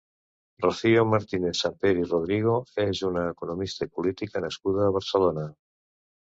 Rocío Martínez-Sampere i Rodrigo és una economista i política nascuda a Barcelona.